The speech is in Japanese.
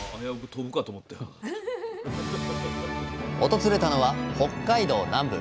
訪れたのは北海道南部。